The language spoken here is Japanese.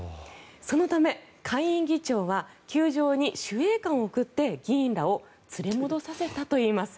そのため、下院議長は球場に守衛官を送って議員らを連れ戻させたといいます。